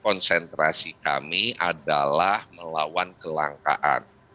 konsentrasi kami adalah melawan kelangkaan